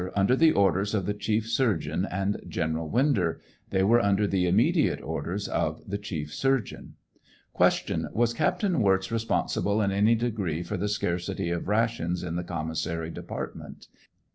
Under the orders of the chief surgeon aud of General Winder. They were under the immediate orders of the chief surgeon. TRIAL OP HENRY WIRZ. 709 Q. Was Captain Wiiz responsible in any degree for the scarcity of rations in the com missary department